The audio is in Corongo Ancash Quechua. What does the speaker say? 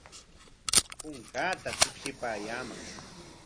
Kunkaata tipshipaayaaman.